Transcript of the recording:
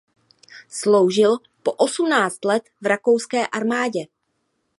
Sloužil po osmnáct let v rakouské armádě.